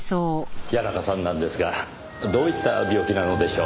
谷中さんなんですがどういった病気なのでしょう？